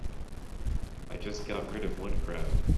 I just got rid of one crowd.